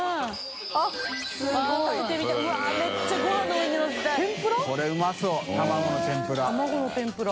海うまそう卵の天ぷら。